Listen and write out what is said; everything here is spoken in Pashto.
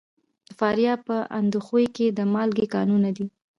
د فاریاب په اندخوی کې د مالګې کانونه دي.